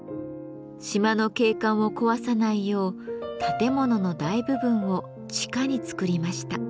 島の景観を壊さないよう建物の大部分を地下に造りました。